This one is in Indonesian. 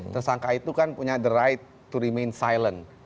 tersangka itu kan punya the right to remain silent